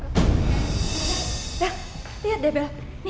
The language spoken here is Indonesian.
bel bel lihat deh bel